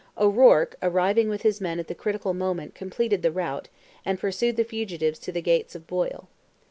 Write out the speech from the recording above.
O'Ruarc arriving with his men at the critical moment completed the rout, and pursued the fugitives to the gates of Boyle.